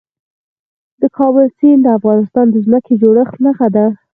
د کابل سیند د افغانستان د ځمکې د جوړښت نښه ده.